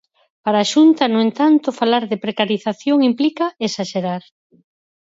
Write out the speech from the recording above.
Para a Xunta, no entanto, falar de precarización implica "esaxerar".